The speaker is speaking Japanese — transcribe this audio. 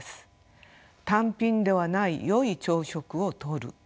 単品ではないよい朝食をとる。